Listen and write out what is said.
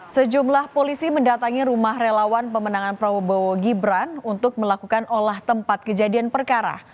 sejumlah polisi mendatangi rumah relawan pemenangan prabowo gibran untuk melakukan olah tempat kejadian perkara